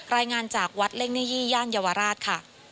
รายงานจากวัดเล่งเนยี่ย่านเยาวราชค่ะ